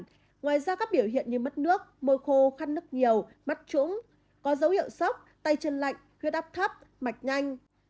ngoài ra các biểu hiện như mất nước môi khô khăn nước nhiều mắt trũng có dấu hiệu sốc tay chân lạnh huyết áp thấp mạch nhanh